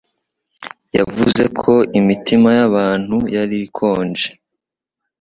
Yavuze ko imitima y'abantu yari ikonje